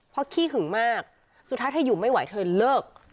เพราะขี้หึงมากสุดท้ายเธออยู่ไม่ไหวเธอเลิก